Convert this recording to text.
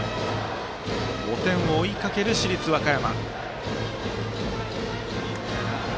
５点を追いかける市立和歌山。